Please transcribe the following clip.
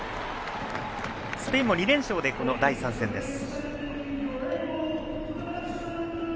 スペインも２連勝でこの第３戦です。